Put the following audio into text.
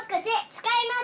つかいます！